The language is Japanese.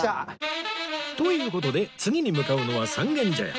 という事で次に向かうのは三軒茶屋